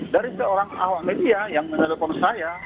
dari seorang awak media yang menelpon saya